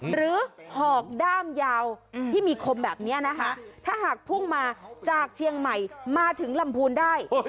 หอบด้ามยาวที่มีคมแบบนี้นะคะถ้าหากพุ่งมาจากเชียงใหม่มาถึงลำพูนได้